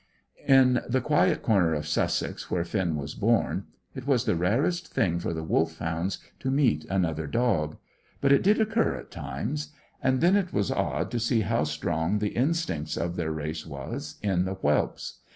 In the quiet corner of Sussex, where Finn was born, it was the rarest thing for the Wolfhounds to meet another dog; but it did occur at times, and then it was odd to see how strong the instincts of their race was in the whelps.